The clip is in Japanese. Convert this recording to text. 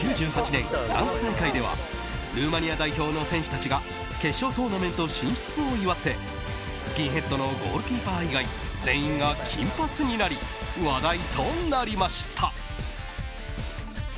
１９９８年、フランス大会ではルーマニア代表の選手たちが決勝トーナメント進出を祝ってスキンヘッドのゴールキーパー以外全員が金髪になり話題となりました。